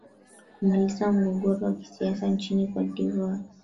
kumaliza mgogoro wa kisiasa nchini cote de voire